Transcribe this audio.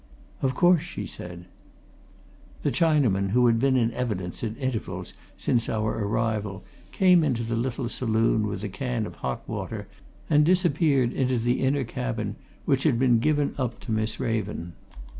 "Of course," she said. The Chinaman who had been in evidence at intervals since our arrival came into the little saloon with a can of hot water and disappeared into the inner cabin which had been given up to Miss Raven.